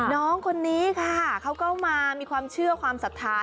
น้องคนนี้ค่ะเขาก็มามีความเชื่อความศรัทธา